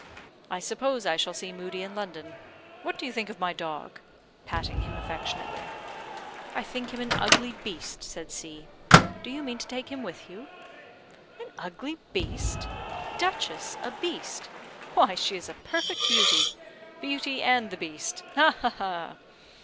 "I suppose I shall see Moodie in London. What do you think of my dog?" patting him affectionately. "I think him an ugly beast," said C . "Do you mean to take him with you?" "An ugly beast! Duchess a beast? Why she is a perfect beauty! Beauty and the beast! Ha, ha, ha!